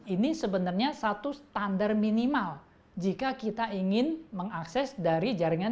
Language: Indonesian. ini sebenarnya satu standar minimal jika kita ingin mengakses dari jaringan